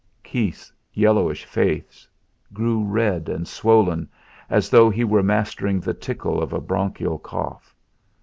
Keith's yellowish face grew red and swollen, as though he were mastering the tickle of a bronchial cough.